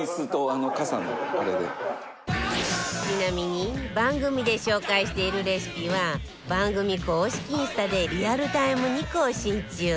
ちなみに番組で紹介しているレシピは番組公式インスタでリアルタイムに更新中